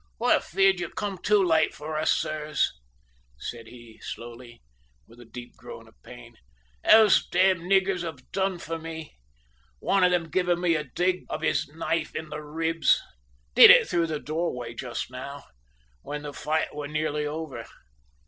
"I'm afeard you've come too late for us, sirs," said he slowly, with a deep groan of pain. "Those damned niggers have done for me, one of them giving me a dig of his knife in the ribs did it through the doorway just now, when the fight were nearly over.